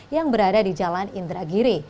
yang berada di jalan indragiri